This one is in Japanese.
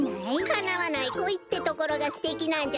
かなわないこいってところがすてきなんじゃないべ！